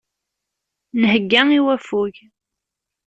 Nhegga i waffug.